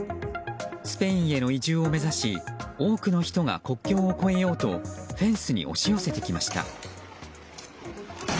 スペインへの移住を目指し多くの人が国境を越えようとフェンスに押し寄せてきました。